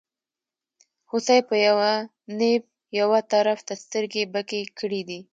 هوسۍ په یوه نېب یوه طرف ته سترګې بکې کړې دي.